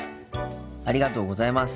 ありがとうございます。